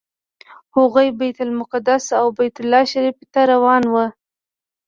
هغوی بیت المقدس او بیت الله شریف ته روان وو.